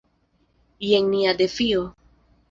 Jen nia defio.